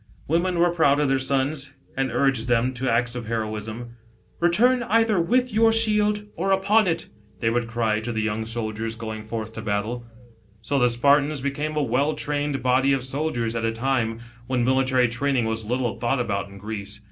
Women were" proud of their sons, ai'id urged them to acts of heroism. " Return either with your shielft or upon it," 82 ABOUT ATHENS. they would cry to the young soldiers, going forth to battle. So the Spartans became a well trained body of soldiers at a time, when military training was little thought about in Greece.